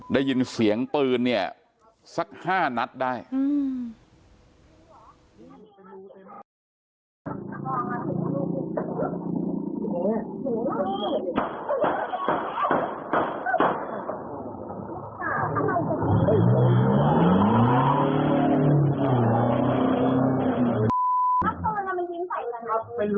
ได้ยินเสียงปืนเนี่ยสักห้านัดได้อืม